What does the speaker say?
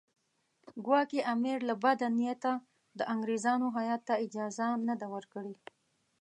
ګواکې امیر له بده نیته د انګریزانو هیات ته اجازه نه ده ورکړې.